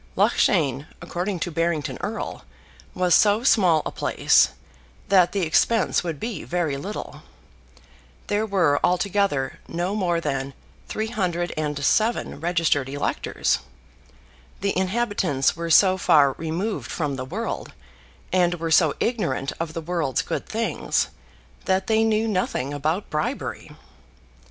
Loughshane, according to Barrington Erle, was so small a place, that the expense would be very little. There were altogether no more than 307 registered electors. The inhabitants were so far removed from the world, and were so ignorant of the world's good things, that they knew nothing about bribery.